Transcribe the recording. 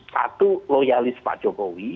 satu loyalis pak jokowi